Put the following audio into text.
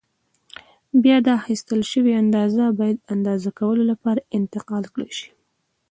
بیا دا اخیستل شوې اندازه باید د اندازه کولو لپاره انتقال کړای شي.